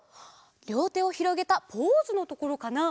りょうてをひろげたポーズのところかな？